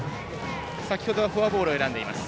先ほどはフォアボールを選んでいます。